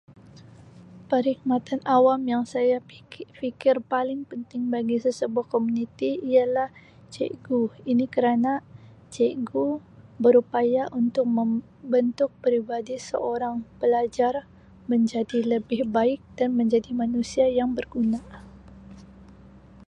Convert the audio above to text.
Perkhidmatan awam yang saya piki-fikir paling penting bagi sesebuah komuniti ialah cikgu ini kerana cikgu berupaya untuk membentuk peribadi seorang pelajar menjadi lebih baik dan menjadi manusia yang berguna.